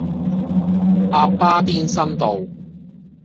鴨巴甸新道